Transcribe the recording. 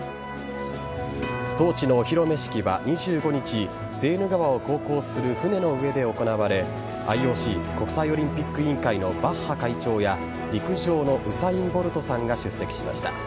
トーチのお披露目式は２５日セーヌ川を航行する船の上で行われＩＯＣ＝国際オリンピック委員会のバッハ会長や陸上のウサイン・ボルトさんが出席しました。